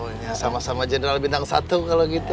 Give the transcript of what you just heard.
oh ya sama sama general bintang satu kalau gitu